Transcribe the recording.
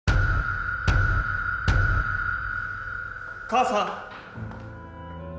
母さん！